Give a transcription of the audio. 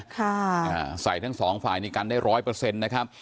ค่ะอ่าใส่ทั้งสองฝ่ายนี่กันได้ร้อยเปอร์เซ็นต์นะครับ